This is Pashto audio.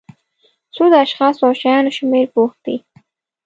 څو د اشخاصو او شیانو شمېر پوښتي.